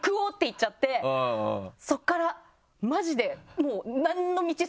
そこからマジでもう。